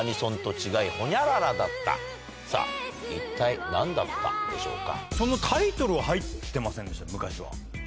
さぁ一体何だったでしょうか？